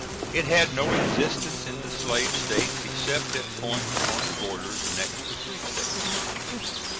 It had no existence in the Slave States except at points on the borders next to Free States.